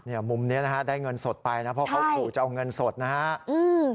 มุมเนี้ยนะฮะได้เงินสดไปนะเพราะเขาขู่จะเอาเงินสดนะฮะอืม